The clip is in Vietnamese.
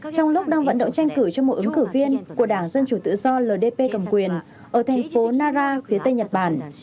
trong lúc đang vận động tranh cử cho một ứng cử viên của đảng dân chủ tự do ldp cầm quyền ở thành phố nara phía tây nhật bản